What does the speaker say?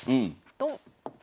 ドン。